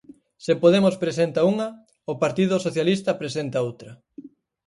Se Podemos presenta unha, o Partido Socialista presenta outra.